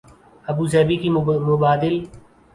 Abu Dhabi کی مبادل